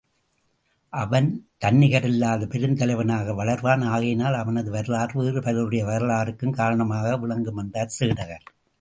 அவன் தன்னிகரில்லாத பெருந்தலைவனாக வளர்வான் ஆகையினால் அவனது வரலாறு வேறு பலருடைய வரலாற்றுக்கும் காரணமாக விளங்குமென்றார் சேடகர்.